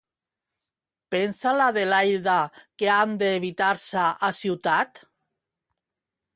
Pensa l'Adelaida que han d'evitar-se a ciutat?